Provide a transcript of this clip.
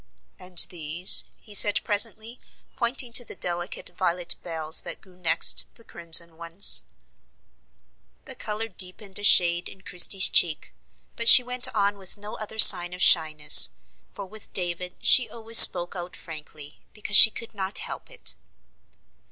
"And these?" he said presently, pointing to the delicate violet bells that grew next the crimson ones. The color deepened a shade in Christie's cheek, but she went on with no other sign of shyness; for with David she always spoke out frankly, because she could not help it.